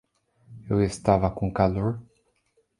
Eu estava com calor.